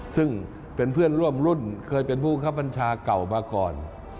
ซึ่งเป็นเพื่อนร่วมรุ่นเคยเป็นผู้คับบัญชาเก่ามาก่อน